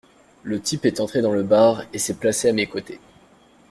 Le type est entré dans le bar et s’est placé à mes côtés.